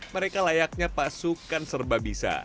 mereka layaknya pasukan serbabisa